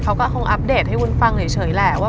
เขาก็อัพเดทให้วุ้นฟังเฉยแหละ